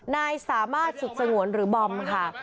นายสามารถสุดสงวนหรือบอมค่ะ